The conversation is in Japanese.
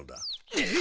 えっ。